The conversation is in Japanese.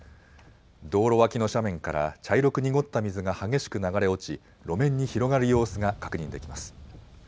道路脇の斜面から茶色く濁った水が激しく流れ落ち路面に広がる様子が確認できます。